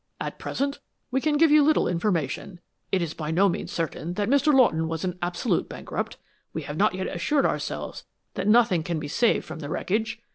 "At present we can give you little information. It is by no means certain that Mr. Lawton was an absolute bankrupt we have not yet assured ourselves that nothing can be saved from the wreckage.